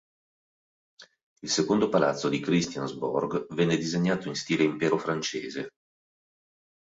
Il secondo palazzo di Christiansborg venne disegnato in stile impero francese.